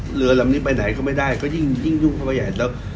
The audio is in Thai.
เรือลำนี้ไปไหนก็ไม่ได้ก็ยิ่งยุ่งเข้าไปใหญ่แล้ว